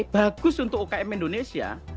bagus untuk ukm indonesia